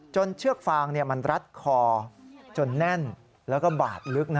เชือกฟางมันรัดคอจนแน่นแล้วก็บาดลึก